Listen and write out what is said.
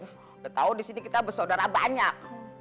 udah tau disini kita bersaudara banyak